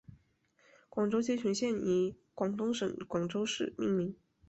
广州街全线以广东省广州市命名。